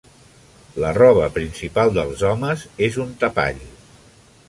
La roba principal dels homes és un tapall.